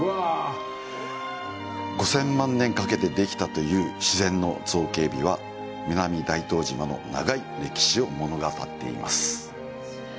５０００万年かけてできたという自然の造形美は、南大東島の長い歴史を物語っています。